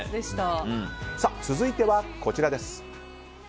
続いてはこちらです。